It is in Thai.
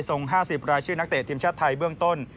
๕๐รายชื่อนักเตะทีมชาติไทยเบื้องต้น